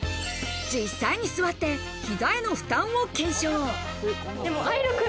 実際に座って、膝への負担を検証。